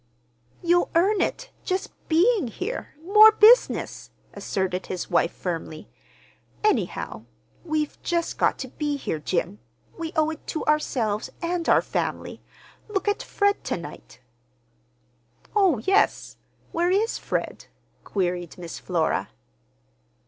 "You'll earn it, just being here—more business," asserted his wife firmly. "Anyhow, we've just got to be here, Jim! We owe it to ourselves and our family. Look at Fred to night!" "Oh, yes, where is Fred?" queried Miss Flora.